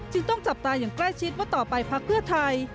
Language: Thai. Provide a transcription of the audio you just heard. ต้องจับตาอย่างใกล้ชิดว่าต่อไปพักเพื่อไทย